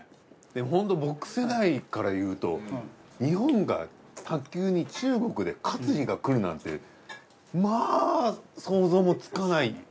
ホント僕世代から言うと日本が卓球に中国で勝つ日がくるなんてまあ想像もつかない。